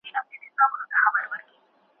تخنيکي نيمګړتياوو له پخوا څخه توليد اغيزمن کړی و.